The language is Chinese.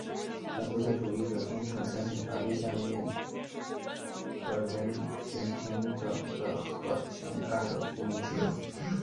反独裁主义者通常相信法律下全面的人人平等的和强大的公民自由。